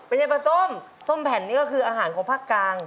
ยายปลาส้มส้มแผ่นนี่ก็คืออาหารของภาคกลาง